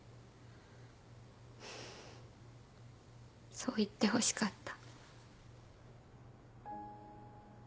そう言ってほしかった。